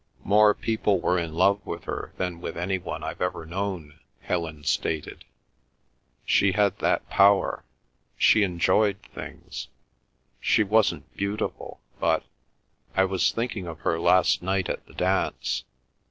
"More people were in love with her than with any one I've ever known," Helen stated. "She had that power—she enjoyed things. She wasn't beautiful, but—I was thinking of her last night at the dance.